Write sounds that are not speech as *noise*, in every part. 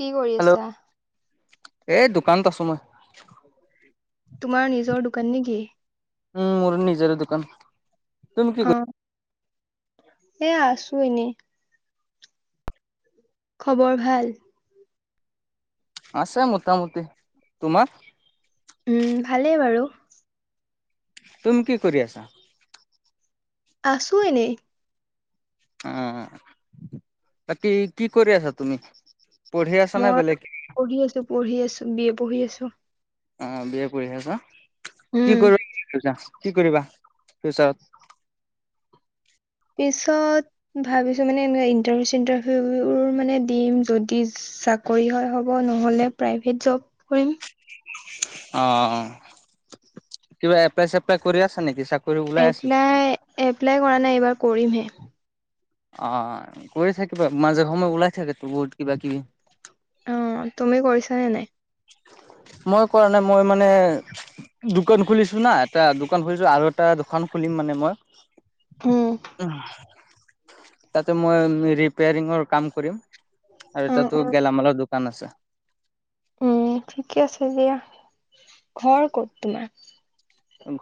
কি কৰি আছা? এ দোকানত আছো মই। তোমাৰ নিজৰ দোকান নেকি? উম মোৰ নিজৰে দোকান তুমি কি অ কৰি এ আছো এনেই খবৰ ভাল? আছে মোটামুটি তোমাৰ উম ভালেই বাৰু তুম কি কৰি আছা? আছো এনেই। অ, বাকী কি কৰি আছা তুমি পঢ়ি আছা নে মই বেলেগ? পঢ়ি আছো, পঢ়ি আছো বি এ পঢ়ি আছো। অ, বি এছ পঢ়ি আছা, কি উম কৰিব কি কৰিবা ফিউচাৰত? পিছত ভাবিছো মানে এনে ইন্টাৰভিউ চিন্টাৰভিউ মানে দিম যদি, চাকৰি হয় হ'ব, নহ'লে প্ৰাইভেট জব কৰিম। অ অ, কিবা এপ্লাই চেপ্লাই কৰি আছা নেকি চাক এপ্লাই এপ্লাই কৰা নাই, এইবাৰ কৰিমহে। অ কৰি থাকিবা মাজে সময় ওলাই থাকেটো বহুত কিবা কিবি অ তুমি কৰিছা নে নাই? মই কৰা নাই মই মানে দোকান খুলিছো না এটা দোকান খুলিছো আৰু এটা দোকান খুলিম মানে মই উম অ তাতে মই ৰিপেয়াৰিঙৰ কাম কৰিম আৰু অ তাতো অ গেলামালৰ দোক কান আছে উম ঠিকে আছে দিয়া ঘৰ ক'ত তোমাৰ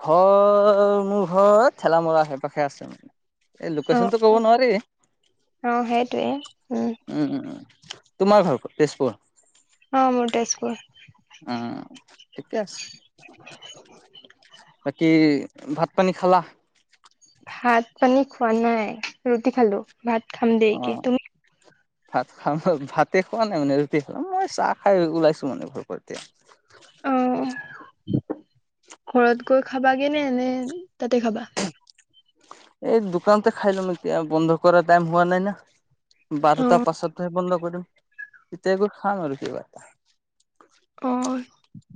ঘৰ মোৰ ঘৰত ঠেলামৰা আশে পাশে আছে মানে এই লোকেশচন তো কব নোৱাৰি অহ সেইটোৱে উম উম উম তোমাৰ ঘৰ তেজপুৰ অ মোৰ তেজপুৰ উম ঠিকে আছে। বাকী ভাত পানী খালা। ভাত পানী খোৱা নাই ৰুটি খালো ভাত খাম দেৰিকে অ', তুমি ভাত খাম ভাতে খোৱা নাই মানে ৰুটি খালো মই চাহ খাই ওলাইছো মানে ঘৰৰ পৰা এতিয়া। অ ঘৰত গৈ খাবাগে নে, নে তাতে খাবা? এই দোকানতে খাই লম এতিয়া বন্ধ কৰা টাইম হোৱা নাই না। অ বাৰটাৰ পাছতহে বন্ধ কৰিম তেতিয়া গৈ খাম আৰু কিবা এটা। অ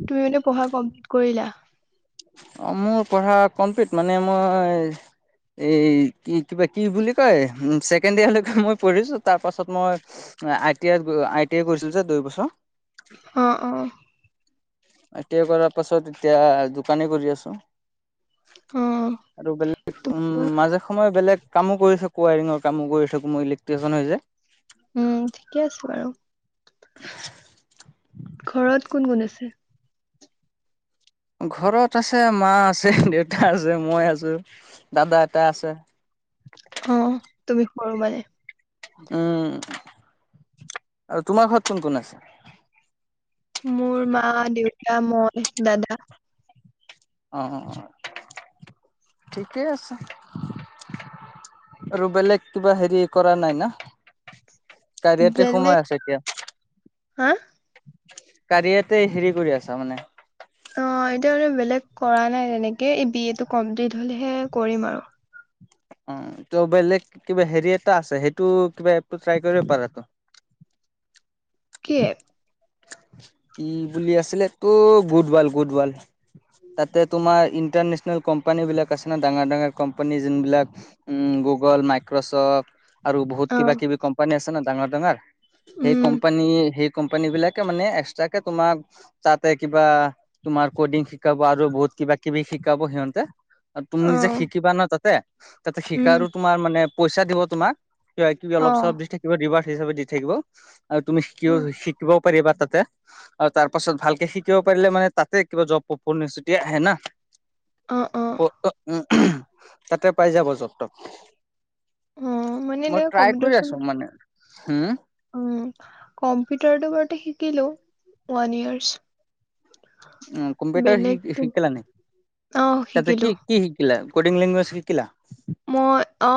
তুমি মানে পঢ়া কমপ্লিট কৰিলা। অ মোৰ পঢ়া কমপ্লিট মানে মই এই কি কিবা কি বুলি কয় ছেকেণ্ড ইয়েৰ লৈকে মই পঢ়িছোঁ। তাৰপাছত মই I T I I T I কৰিছিলো যে দুই বছৰ। অ অ। আই টি আই কৰাৰ পাছত এতিয়া দোকানে কৰি আছো। অ আৰু বেলেগ উম তোমাৰ? মাজে সময়ে বেলেগ। কামো কৰিছো কুৱাইৰিঙৰ কামো কৰিছোঁ মোৰ ইলেক্ট্ৰিচিয়ান হয় যে। উম ঠিকে আছে বাৰু। ঘৰত কোন কোন আছে? ঘৰত আছে মা আছে দেউতা আছে মই আছো দাদা এটা আছে। অ তুমি সৰু মানে। উম আৰু। তোমাৰ ঘৰত কোন কোন আছে? মোৰ মা, দেউতা, মই, দাদা। অ ঠিকেই আছে। আৰু বেলেগ কিবা হেৰি কৰা নাই না। তাই ইয়াতে সোমাই বেলেগ আছে এতিয়া। হা কাৰীয়াতে হেৰি কৰি আছা মানে। অ এতিয়া মানে বেলেগ কৰা নাই তেনেকে এই বি এ টো কমপ্লিট হলেহে কৰিম আৰু। অ ত বেলেগ কিবা হেৰি এটা আছে সেইটো কিবা এপ টো ট্ৰাই কৰিব পাৰা ত। কি এপ? কি বুলি আছিল টো গোটবাল গোটবাল। তাতে তোমাৰ ইন্টাৰনেচনেল কোম্পানী বিলাক আছে ন ডাঙৰ ডাঙৰ কোম্পানী যোন বিলাক উম গুগল, মাইক্ৰ'চফ্ট আৰু বহুত অ কিবা কিবি কোম্পানী আছে ন ডাঙৰ ডাঙৰ। সেই উম কোম্পানী সেই কোম্পানী বিলাকে মানে এক্সট্ৰাকে তোমাক তাতে কিবা তোমাৰ কডিং শিকাব আৰু বহুত কিবা কিবি শিকাব সিহঁতে। আৰু তুমি অ যে শিকিবা না তাতে, তাতে উম শিকাৰো তোমাৰ মানে পইচা দিব তোমাক। কিবা কিবি অ অলপ চলপ দি থাকিব ৰিৱাৰ্ড হিচাপে দি থাকিব। আৰু তুমি শিকি অ শিকিবও পাৰিবা তাতে। আৰু তাৰ পাছত ভালকে শিকিব পাৰিলে মানে তাতে কিবা জব পপন নেছুতিয়াই আহে না। অ অ। *unintelligible* তাতে পাই যাব জপ তক অ মানে মই এনে ট্ৰাই কম্পিউটাৰ কৰি আছো চম্পিউটাৰ মানে, হম। উম কম্পিউটাৰটো বাৰু শিকিলো ওৱান ইয়াৰ্চ। অম কম্পিউটাৰ শি বেলেগ তেন শিকিলা নি অ তাতে শিকিলো কিক কি শিকিলা, কদিং লেংগুৱেজ শিকিলা? মই অ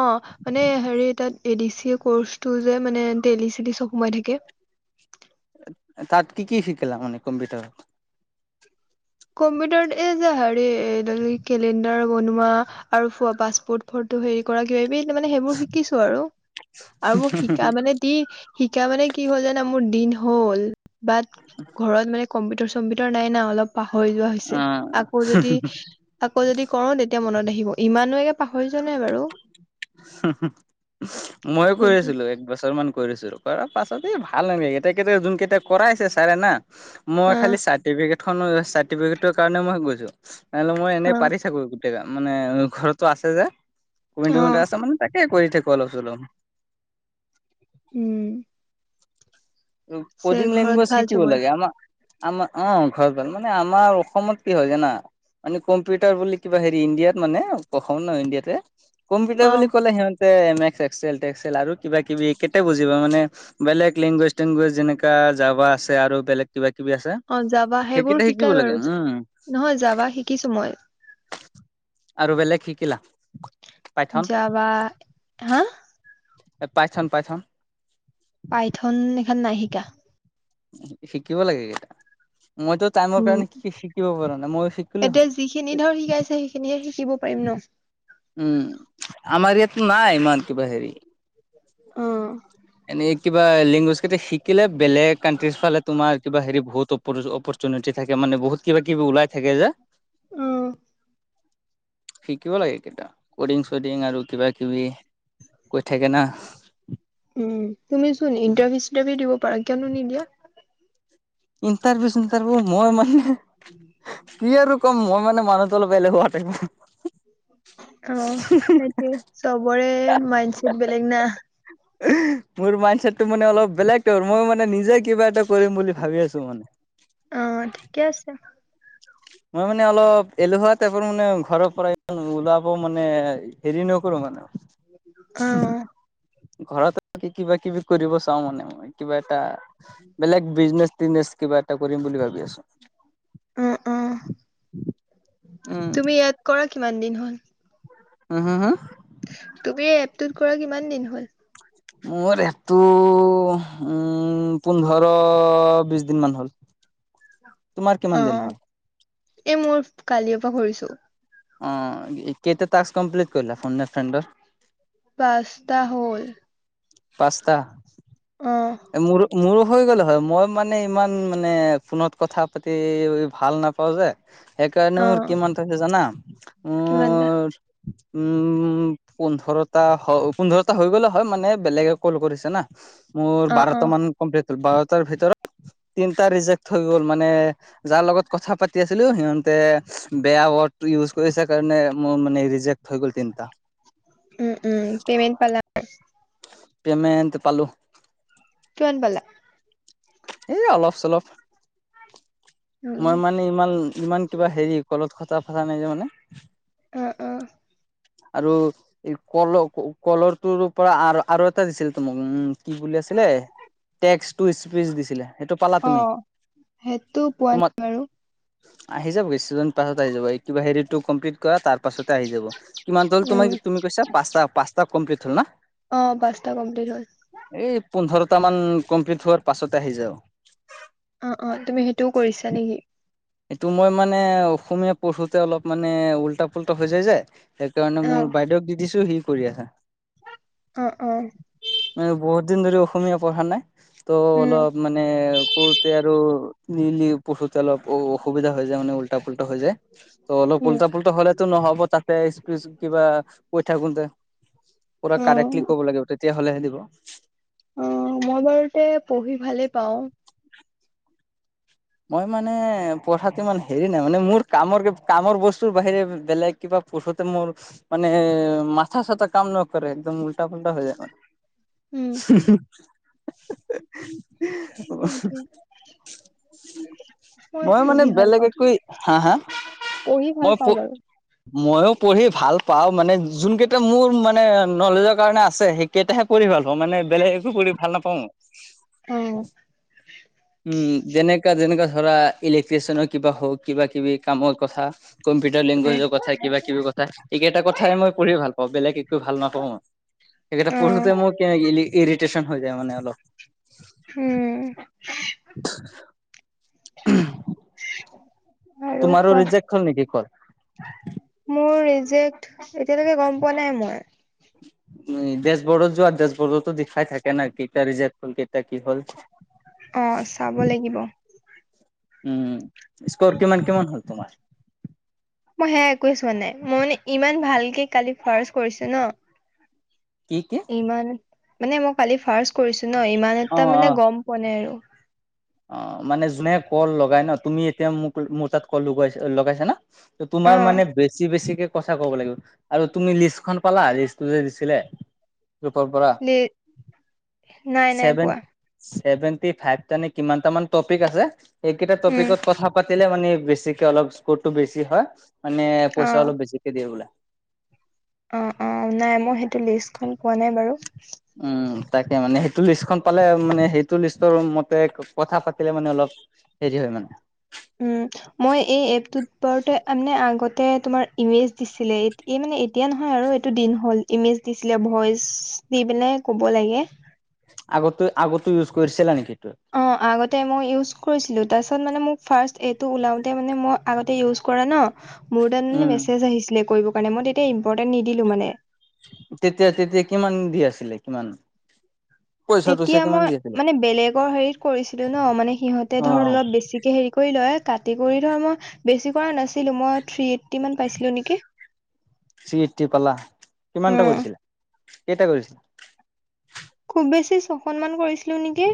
মানে হেৰি তাত এ ডি চি কৰ্চটো যে মানে এ দি চি এ টৰ্চটো যে মানে তেলি চেলি চব সোমাই থাকে। তাত কি কি শিকিলা মানে কম্পিউটাৰত? কম্পিউটাৰত এই যে হেৰি এ কেলেণ্ডাৰ বনোৱা। আৰুো ফোৱা পাছপোৰ্ট ফটো হেৰি কৰা কিবা কিবি মানে সেইবোৰ শিকিছো আৰু আৰু মোৰ শিকা মানে টি শিকা মানে কি হ'ল জানা মোৰ দিন হ'ল বাদ ঘৰত মানে কম্পিউটাৰ চম্পিউটাৰ নাই না অলপ পাহৰি যোৱা হৈছে অ', আকৌ যদি আকৌ যদি কৰোঁ তেতিয়া মনত আহিব ইমানলৈকে পাহৰি যোৱা নাই বাৰু হু হু ময়ো কৰি সেইটো আছিলো একবছৰ মান কৰিছিলোঁ। কৰাৰ পাছত ভাল নালাগে এতিয়া যোন কেইটা কৰাইছে ছাৰে না মই অ খালি চাৰ্টিফিকেট চাৰ্টিফিকেটৰ কাৰণে মই গৈছোঁ নহ'লে মই এনে অ পাৰি থাকো মানে ঘৰতো আছে যে অ *unintelligible* আছে মানে তাকে কৰি থাকোঁ অলপ চলপ। উম আৰু পিছে কডিং ঘৰত লেংগুৱেজ কি ভাল শিকিব চবৰে লাগে আমাক আমাৰ অ' *unintelligible* মানে আমাৰ অসমত কি হয় জানা মানে কম্পিউটাৰ বুলি কিবা হেৰি ইণ্ডিয়াত মানে অসমত নহয় ইণ্ডিয়াতে কম্পিউটাৰ অ বুলি ক'লে সিহঁতে এ এম এছ এক্সেল তেক্সেল আৰু কিবা কিবি কেইটাই বুজিব মানে বেলেগ লিংগুৱেজ লেংগুৱেজ যেনেকা জাবা আছে আৰু বেলেগ কিবা কিবি আছে অ যাবা সেইবোৰ সেইকেইটা শিকিব শিকাই লাগে, বাৰু উম। নহয় যাবা শিকিছো মই আৰু বেলেগ শিকিলা? পাইথন জাবা হা এ পাইথন-পাইথন পাইথন এখন নাই শিকা। শিকিব লাগে এই কেইটা মইতো টাইমৰ উম কাৰণে শিকিব পৰা নাই মই শিকিলোঁ এতিয়া হয়। যিখিনি ধৰ শিকাইছে সেইখিনিহে শিকিব পাৰিম ন উম আমাৰ ইয়াততো নাই ইমান কিবা হেৰি। অ' এনেই কিবা লিংগুৱেজ কেইটা শিকিলে বেলেগ কানট্ৰিচ ফালে তোমাৰ কিবা হেৰি বহুতো অপৰচুনিটি থাকে মানে বহুত কিবা কিবি ওলাই থাকে যে। উম। শিকিব লাগে এইকেইটা কডিং চডিং আৰু কিবা কিবি কৈ থাকে না। উম তুমি চোন ইণ্টাৰভিউ চিটাৰভিউ দিব পাৰা কিয়নো নিদিয়া? ইণ্টাৰভিউ চিণ্টাৰভিউ মই মানে কি আৰু ক'ম মই মানে মানুহটো অলপ এলেহুৱা টাইপৰ। অ' সেইটোৱে চবৰে মাইণ্ড ছেট বেলেগ না। *inaudible* মোৰ মাইণ্ড ছেটটো মানে অলপ বেলেগটো মই মানে নিজে কিবা এটা কৰিম বুলি ভাবি আছোঁ মানে। অ' ঠিকে আছে। মই মানে অলপ এলেহুৱা টাইপৰ মানে ঘৰৰ পৰা ওলাব মানে হেৰি নকৰোঁ মানে। অ'। ঘৰত থাকি কিবা কিবি কৰিব চাওঁ মানে মই কিবা এটা। *unintelligible* বেলেগ বিজনেছ তিজনেচ কিবা এটা কৰিম বুলি ভাবি আছোঁ। অ', অ', উম, তুমি ইয়াত কৰা কিমান দিন হ'ল? হো-হো-হো। তুমি এপটোত কৰা কিমান দিন হ'ল? মোৰ এপটো উম পোন্ধৰ বিশ দিন মান হ'ল। তোমাৰ কিমান দিন অ', হ'ল? এই মোৰ কালিৰ পৰা কৰিছোঁ। অ' কেইটা টাস্ক কমপ্লিট কৰিলা ফোন এ ফ্ৰেণ্ডৰ? পাঁচটা হ'ল। পাঁচটা? অ' মোৰো-মোৰো হৈ গ'ল হয় মই মানে ইমান মানে ফোনত কথা পাতি ভাল নাপাওঁ যে। সেইকাৰণে মোৰ অ', কিমান হৈছে জানা, কিমানটা? মোৰ উম পোন্ধৰটা হয় পোন্ধৰটা হৈ গ'লে হয় মানে বেলেগে কল কৰিছে না। মোৰ অ', বাৰটা অ', মান কমপ্লিট বাৰটাৰ ভিতৰত তিনটা ৰিজেক্ট হৈ গ'ল মানে যাৰ লগত কথা পাতি আছা কৰিছিলোঁ সিহঁতে বেয়া ৱৰ্ড ইউজ কৰিছে কাৰণে মোৰ মানে ৰিজেক্ট হৈ গ'ল তিনিটা। উম, উম, পেমেণ্ট পালা? পেমেণ্ট পালোঁ। কিমান পালা? এ অলপ চলপ উম, মই মানে ইমান ইমান কিবা হেৰি কলত কথা পাতা নাই যে মানে। উম, উম। আৰু এই কলৰ কলৰটোৰ পৰা আৰু আৰু এটা দিছিলে তো মোক উম কি বুলি আছিলে টেক্স টু স্পিচ দিছিলে। সেইটো পালা অ তুমি সেইটো পোৱা নাই তোমাক বাৰু। আহি যা বেছিজন তাৰ পাছত আহি যাব, এই কিবা হেৰিটো কমপ্লিট কৰা তাৰ পাছতে আহি যাব, কিমান হল উম, তোমাক তুমি কৈছা? পাঁচটা পচটা কমপ্লিট হল না অ পাঁচটা কমপ্লিট হল। এই পোন্ধৰটা মান কমপ্লিট হোৱাৰ পাছতে আহি যাব। অ অ তুমি সেইটোও কৰিছা নেকি? এইটো মই মানে অসমীয়া পঢ়োতে অলপ মানে উওল্টা পুল্টা হৈ যায় যে সেইকাৰণে অ', মোৰ বাইদেউক দি দিছো সি কৰি আছে। অ অ। মানে বহুত দিন ধৰি অসমীয়া পঢ়া নাই ত' উম অলপ মানে কৰোতে আৰু নিলি পশুতে অলপ অ অসুবিধা হৈ যায় মানে উল্টা পুল্টা হৈ যায়। ত' অলপ উম উল্টা পুল্টা হলেতো নহ'ব তাতে স্পিছ কিবা কৈ থাকোঁতে। পুৰা অ কাৰেক্টলি কৰিব লাগিব তেতিয়াহ'লেহে দিব। অ মই বাৰুতে পঢ়ি ভালেই পাও। মই মানে পঢ়াতটো ইমান হেৰি নাই, মানে মোৰ কামৰ কামৰ বস্তুৰ বাহিৰে বেলেগ কিবা পঢ়োতে মোৰ মানে মাথা চাথা কাম নকৰে একদম উল্টা পোল্টা হৈ যায় মানে। উম সেইটোৱে। *unintelligible* মই মানে পঢ়ি ভাল বেলেগ পাওঁ একৈ হা হা পঢ়ি ভাল মই প পাওঁ বাৰু মইও পঢ়ি ভাল পাও মানে যোন কেইটা মোৰ মানে নলেজৰ কাৰণে আছে, সেই কেতিয়াহে কৰি ভাল পাওঁ মানে বেলেগ একো কৰি ভাল নাপাওঁ। অ। উম যেনেকা যেনেকা ধৰা ইলেক্ট্ৰিচিয়ানৰ কিবা হওক কিবা কিবি কামৰ কথা। কম্পিউটাৰ অ লেংগুৱেজৰ কথা কিবা কিবি কথা এইকেইটা কথাই মই পঢ়ি ভাল পাওঁ বেলেগ একো ভাল নাপাওঁ মই। সেইকেইটা অ পঢ়োতে মোৰ ইৰিটেশচন হৈ যায় মানে অলপ। উম। *unintelligible* *inaudible* তুমাৰো কোৱা ৰিজেক্ট হল নেকি কল? মোৰ ৰিজেক্ট এতিয়ালৈকে গম পোৱা নাই মই। উ ডেশবৰ্ডত যোৱা ডেশবৰ্ডতো দেখাই থাকে নাই কেইটা ৰিজাৰ্ট হ'ল কেইটা কি হ'ল। অ চাব লাগিব। উম স্ক'ৰ কিমান কিমান হ'ল তোমাৰ। মই সেয়া একোৱে চোৱা নাই মই মানে ইমান ভালকে কালি ফাষ্ট কৰিছো ন, কি কি? ইমান মানে মই কালি ফাৰ্ষ্ট কৰিছোঁ ন ইমান অ এটা মানে গম পোৱা নাই আৰু। অঁ মানে যোনে কল লগাই ন তুমি এতিয়া মোক মোৰ তাত কল লগোৱাইছে লগাইছা না? তো তোমাৰ অ মানে বেছি বেছিকে কচা ক'ব লাগিব আৰু তুমি লিষ্টখন পালা লিষ্ট যে দিছিলে। ৰূপৰ পৰা লি নাই নাই ছেভেন পোৱা চেভেন্তি ফাইভটা নে কিমানটা মান টপিক আ সেইকেইটা উম টপিকত কথা পাত কৰিলে মানে বেছিকে অলপ স্কোৰটো বেছি হয়, মানে অ পইচা অলপ বেছিকে দিয়ে বোলে। অঁ অঁ নাই মই সেইটো লিষ্টখন পোৱা নাই বাৰু উম তাকে মানে সেইটো লিষ্টখন পালে মানে সেইটো লিষ্টৰ মতে ক কথা পাতিলে মানে অলপ হেৰী হয় মানে। উম। মই এই এপটোত বাৰুতে মানে আগতে তোমাৰ ইমেজ দিছিলে এতিয়া মানে এ এতিয়া নহয় আৰু এইটো দিন হ'ল। ইমেজ দিছিলে ভয়েচ দি পেলাই ক'ব লাগে। আগতো আগতো ইউজ কৰিছিলা নেকি এইটো? অঁ আগতে মই ইউজ কৰিছিলোঁ। তাৰপিছত মানে মোক ফাৰ্ষ্ট এইটো ওলাওঁতে মানে মই আগতে ইউজ কৰা ন। মোৰ তাত মানে উম মেছেজ আহিছিলে কৰিব কাৰণে মই তেতিয়া ইম্পৰ্টেন্ট নিদিলো মানে তেতিয়া তেতিয়া কিমান দি আছিলে কিমান? পইচা চইচা তেতিয়া কিমান মই দি আছিলে মানে বেলেগৰ হেৰীত কৰিছিলোঁ ন মানে সিহঁতে অ ধৰ অ অলপ বেছিকে হেৰী কৰি লয়। কাতি কৰি ধৰ মই বেছি কৰা নাছিলোঁ মই থ্ৰি এইট্টি মান পাইছিলো নেকি? থ্ৰি এইট্টি পালা। কিমানটা উম কৰিছিলা কেইটা কৰিছিলা? খুব বেছি ছখন মান কৰিছিলোঁ নেকি?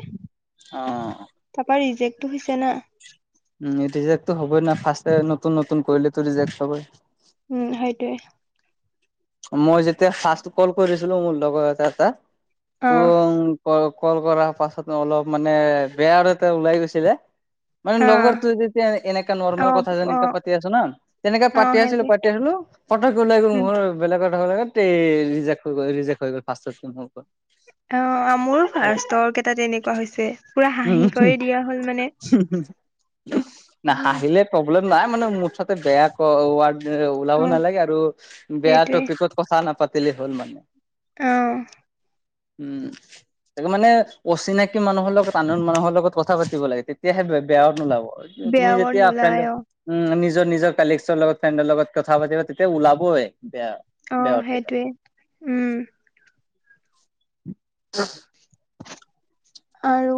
অঁ। তাপা ৰিজেক্টটো হৈছে না। উম ৰিজেক্টটো হ'বই না ফাৰ্ষ্টে নতুন নতুন কৰিলেটো ৰিজেক্ট হ'বই। উম সেইটোৱে। মই যেতিয়া ফাৰ্ষ্ট কল কৰিছিলোঁ মোৰ লগৰ এটা তাত। অ ক কল কৰাৰ পাছত অলপ মানে বেয়া আৰু এটা ওলাই গৈছিলে। মানে অ লগৰটোৱে যেতিয়া এ এনেকা অ নৰ্মেল কথা অ যেনেকে পাতি আছোঁ না তেনেকে অ পাতি আছিলোঁ সেইটোৱে পাতি আছিলোঁ। পতককে ওলাই গ'ল উম মুখৰ বেলেগ কথা সেইট তেই ৰিজেক্ট হৈ গ'ল ৰিজেক্ট হৈ গ'ল অঁ মোৰো ফাৰ্ষ্টৰ কেইটা তেনেকুৱা হৈছে পুৰা হাঁহি কৰি দিয়া হ'ল মানে। হোম হোম, না উম হাঁহি প্ৰব্লেম নাই মানে মোৰ তাতে বেয়া ক ৱাৰ্ড ওলাব অ নালাগে আৰু বেয়া সেইটোৱে ত কথা নাপাতিলে হ'ল মানে। অঁহ। উম। সেইবোৰ মানে অচিনাকি মানুহৰ লগত আন আন মানুহৰ লগত কথা পাতিব লাগে তেতিয়াহে বে বেয়া শব্দ নোলাব। তু বেয়া তুমি ৱৰ্ড যেতিয়া নোলাই ফ্ৰেণ্ড অ উম নিজৰ নিজৰ কালেকচৰ লগত ফ্ৰেণ্ডৰ লগত কথা পাতিবা তেতিয়া ওলাবই বেয়া। অঁ বেয়াতকে সেইটোৱে উম। *unintelligible* আৰু